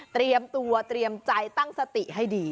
เตรียมตัวเตรียมใจตั้งสติให้ดี